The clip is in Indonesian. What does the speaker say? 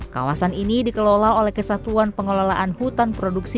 kawasan ini dikelola oleh kesatuan pengelolaan hutan produksi